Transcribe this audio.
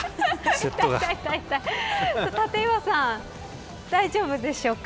立岩さん、大丈夫でしょうか。